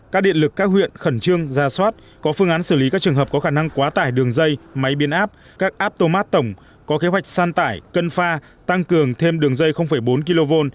các nguồn chặng biến áp các aptomat tổng có kế hoạch san tải cân pha tăng cường thêm đường dây bốn kv